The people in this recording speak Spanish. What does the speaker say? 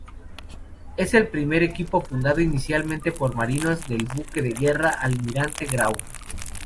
Es el primer equipo fundado inicialmente por marinos del buque de guerra Almirante Grau.